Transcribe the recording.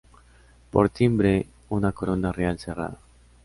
Por timbre, una corona real cerrada.